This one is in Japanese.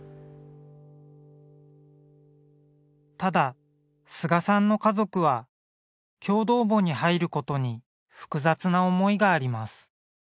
ただ菅さんの家族は共同墓に入ることに複雑な思いがあります。